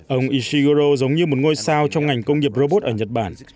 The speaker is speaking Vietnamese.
ông ishigoro giống như một ngôi sao trong ngành công nghiệp robot ở nhật bản